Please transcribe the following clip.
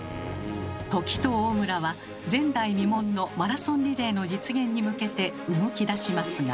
土岐と大村は前代未聞のマラソンリレーの実現に向けて動きだしますが。